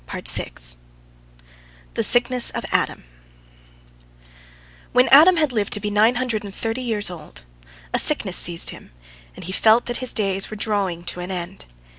THE SICKNESS OF ADAM When Adam had lived to be nine hundred and thirty years old, a sickness seized him, and he felt that his days were drawing to an end.